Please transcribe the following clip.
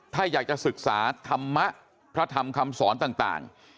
ถ้าอยากจะศึกษาธรรมะพระธรรมคำสอนต่าง